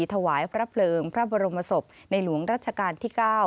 ถวายพระเพลิงพระบรมศพในหลวงรัชกาลที่๙